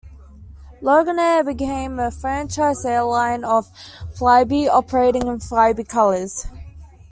Loganair became a franchise airline of Flybe, operating in the Flybe colours.